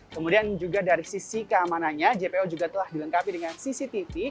kemudian juga dari sisi keamanannya jpo juga telah dilengkapi dengan cctv